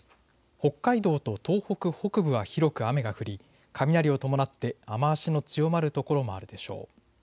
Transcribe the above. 北海道と東北北部は広く雨が降り雷を伴って雨足の強まる所もあるでしょう。